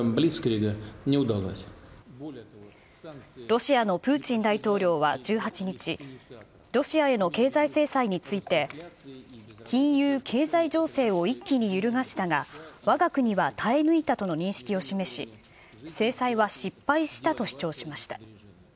ロシアのプーチン大統領は１８日、ロシアへの経済制裁について、金融・経済情勢を一気に揺るがしたが、わが国は耐え抜いたとの認識を示し、制裁は失敗したと主張しました。